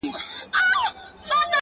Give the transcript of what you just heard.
د شعرونو کتابچه وای.!